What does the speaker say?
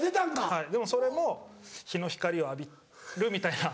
はいでもそれも陽の光を浴びるみたいなポジティブな。